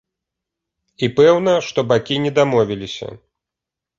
І пэўна, што бакі не дамовіліся.